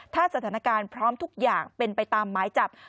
ถ้าสถานการณ์พร้อมทุกอย่างเป็นไปตามหมายจับ